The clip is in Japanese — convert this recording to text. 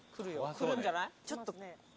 くるんじゃない？